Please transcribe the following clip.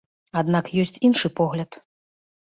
Аднак ёсць іншы погляд.